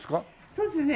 そうですね